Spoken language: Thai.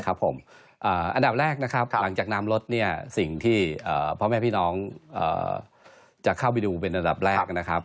ครับผมอันดับแรกนะครับหลังจากนำรถเนี่ยสิ่งที่พ่อแม่พี่น้องจะเข้าไปดูเป็นอันดับแรกนะครับ